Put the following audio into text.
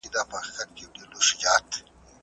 ماشوم په مینه او ډاډ کې ښه وده کوي.